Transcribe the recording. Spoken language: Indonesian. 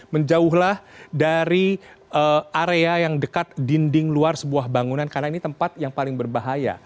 menjauhlah dari area yang dekat dinding luar sebuah bangunan karena ini tempat yang paling berbahaya